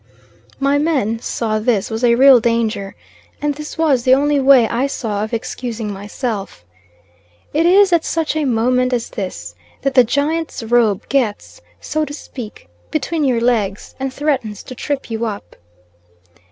My men saw this was a real danger, and this was the only way I saw of excusing myself. It is at such a moment as this that the Giant's robe gets, so to speak, between your legs and threatens to trip you up.